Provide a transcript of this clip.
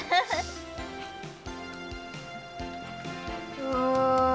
うわ。